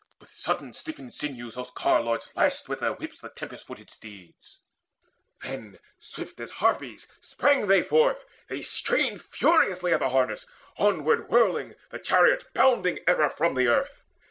With sudden stiffened sinews those ear lords Lashed with their whips the tempest looted steeds; Then swift as Harpies sprang they forth; they strained Furiously at the harness, onward whirling The chariots bounding ever from the earth.